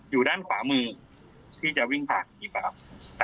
อยู่ด้านขวามือที่จะวิ่งผ่านอย่างนี้ครับ